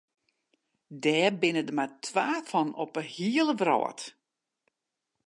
Dêr binne der mar twa fan op de hiele wrâld.